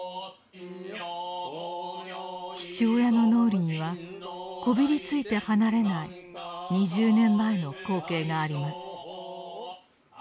父親の脳裏にはこびりついて離れない２０年前の光景があります。